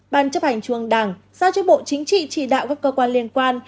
ban chấp hành trung ương đảng do cho bộ chính trị chỉ đạo các cơ quan liên quan